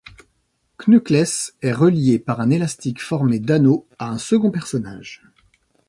Knuckles est relié par un élastique formé d'anneaux à un second personnage.